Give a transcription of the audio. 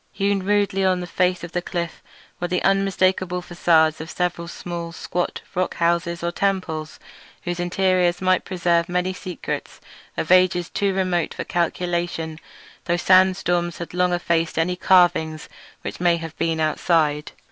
Hewn rudely on the face of the cliff were the unmistakable facades of several small, squat rock houses or temples; whose interiors might preserve many secrets of ages too remote for calculation, though sandstorms had long since effaced any carvings which may have been outside.